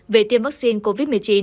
về tiêm vaccine covid một mươi chín